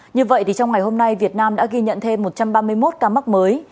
như vậy thì trong ngày hôm nay việt nam đã ghi nhận thêm một trăm ba mươi một ca mắc mới